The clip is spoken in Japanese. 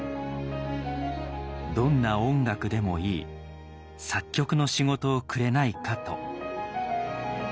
「どんな音楽でもいい作曲の仕事をくれないか」と。